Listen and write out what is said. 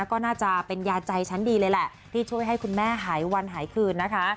ก็น่าจะเป็นยาใจชั้นดีเลยแหละที่ช่วยให้คุณแม่หายวันหายคืนนะคะ